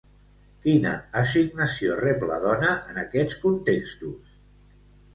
Quina assignació rep la dona en aquests contextos?